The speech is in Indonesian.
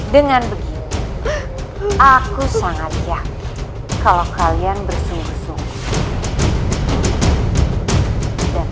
dengan begitu aku sangat siap kalau kalian bersungguh sungguh